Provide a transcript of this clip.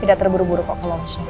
tidak terburu buru kok ke lounge